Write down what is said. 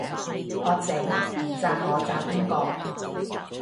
我整，唔讚我讚邊個